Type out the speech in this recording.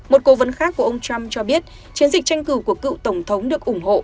một cố vấn khác của ông trump cho biết chiến dịch tranh cử của cựu tổng thống được ủng hộ